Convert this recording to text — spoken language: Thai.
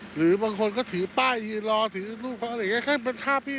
หรือบางคนก็ถือป้ายหืนรอถือรูปอะไรแบบนี้